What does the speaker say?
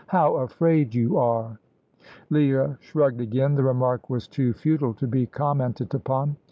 "How afraid you are!" Leah shrugged again; the remark was too futile to be commented upon.